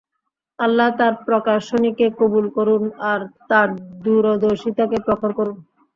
আল্লাহ তাঁর প্রকাশনীকে কবুল করুন আর তাঁর দূরদর্শিতাকে প্রখর করুন।